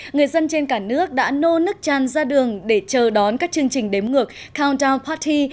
người dân trên cả nước đã nô nước tràn ra đường để chờ đón các chương trình đếm ngược countdown party